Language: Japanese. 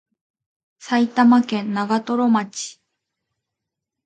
埼玉県長瀞町